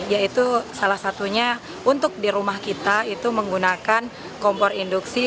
yaitu salah satunya untuk di rumah kita itu menggunakan kompor induksi